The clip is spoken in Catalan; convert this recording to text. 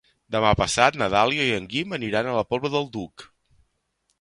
Demà passat na Dàlia i en Guim aniran a la Pobla del Duc.